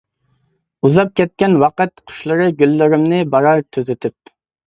ئۇزاپ كەتكەن ۋاقىت قۇشلىرى گۈللىرىمنى بارار تۈزىتىپ.